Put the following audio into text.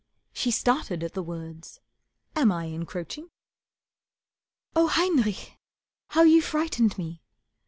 She started at the words: "Am I encroaching?" "Oh, Heinrich, how you frightened me!